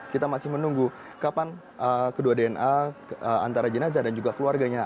kita masih menunggu kapan kedua dna antara jenazah dan juga keluarganya